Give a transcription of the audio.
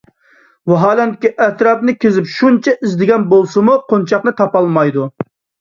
ۋاھالەنكى، ئەتراپنى كېزىپ شۇنچە ئىزدىگەن بولسىمۇ، قونچاقنى تاپالمايدۇ.